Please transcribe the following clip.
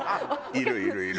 いるいるいる。